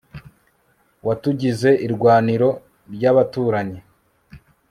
watugize irwaniro ry'abaturanyi